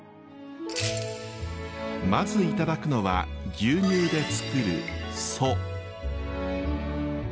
まず頂くのは牛乳で作る蘇。